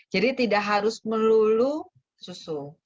jadi tidak harus melulu susu